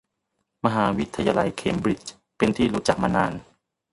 มหาวิทยาลัยเคมบริดจ์เป็นที่รู้จักมานาน